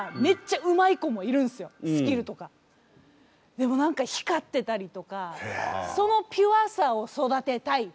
でも何か光ってたりとかそのピュアさを育てたいとか。